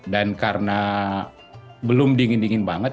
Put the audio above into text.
dan karena belum dingin dingin banget